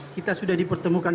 kita sudah dipertemukan